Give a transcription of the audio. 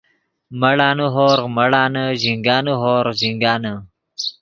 مڑانے ہورغ مڑانے ژینگانے ہورغ ژینگانے